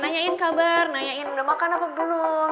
nanyain kabar nanyain udah makan apa belum